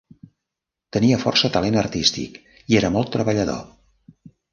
Tenia força talent artístic i era molt treballador.